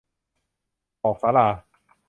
บอกศาลา